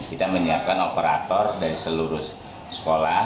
kita menyiapkan operator dari seluruh sekolah